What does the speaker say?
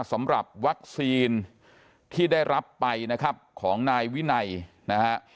สำหรับวัคซีนที่ได้รับไปนะครับของนายวินัยนะฮะ